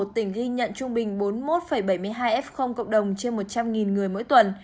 một tỉnh ghi nhận trung bình bốn mươi một bảy mươi hai f cộng đồng trên một trăm linh người mỗi tuần